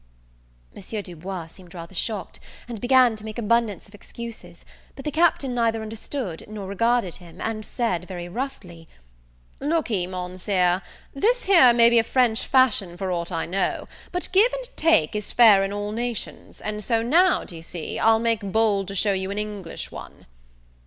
M. Du Bois seemed rather shocked, and began to make abundance of excuses: but the Captain neither understood nor regarded him, and, very roughly, said, "Look'ee, Monseer, this here may be a French fashion for aught I know, but give and take is fair in all nations; and so now, d'ye see, I'll make bold to show you an English one."